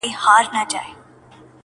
یا به نن یا به سباوي زه ورځمه٫